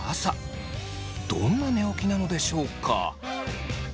どんな寝起きなのでしょうか？